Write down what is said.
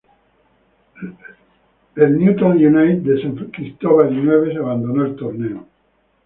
El Newtown United de San Cristóbal y Nieves abandonó el torneo.